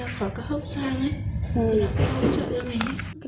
khỏi các hốc xoang ấy